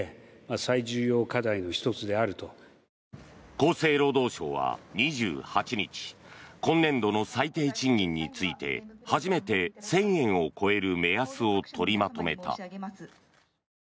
厚生労働省は２８日今年度の最低賃金について初めて１０００円を超える目安を取りまとめた。